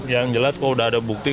yang jelas kalau sudah ada bukti